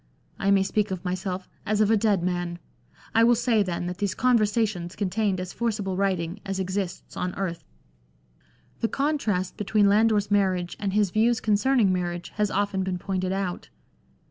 I may speak of myself as of a dead man. I will say, then, that these Conversations contained as forcible writing as exists on earth." The contrast between Lander's marriage and his views con cerning marriage has often been pointed out.